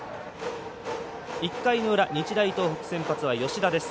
１回の裏日大東北、先発は吉田です。